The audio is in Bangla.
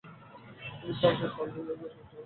তিনি ফ্রান্সের শার্লভিল-মেজিয়ের শহরে জন্মগ্রহণ করেন।